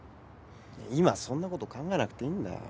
今そんなこと考えなくていいんだよ。